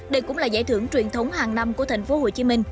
đây cũng là giải thưởng truyền thống hàng năm của tp hcm